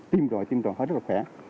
tiêm rồi tiêm rồi họ rất là khỏe